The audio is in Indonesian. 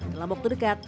dalam waktu dekat